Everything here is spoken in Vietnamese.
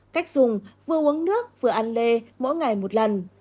cách dùng vừa uống nước vừa ăn lê mỗi ngày một lần